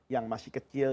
yang masih kecil